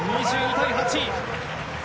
２２対８。